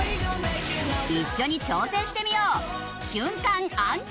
一緒に挑戦してみよう。